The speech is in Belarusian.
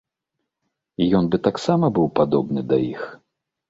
І ён бы таксама быў падобны да іх.